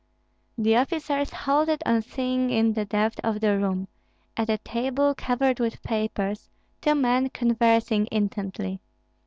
The officers halted on seeing in the depth of the room, at a table covered with papers, two men conversing intently.